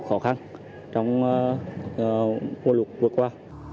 khó khăn trong mùa lụt vượt qua